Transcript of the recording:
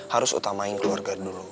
harus utamain keluarga dulu